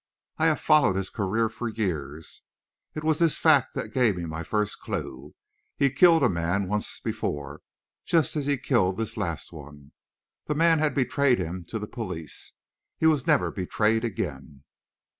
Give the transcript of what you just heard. I have followed his career for years it was this fact that gave me my first clue. He killed a man once before, just as he killed this last one. The man had betrayed him to the police. He was never betrayed again."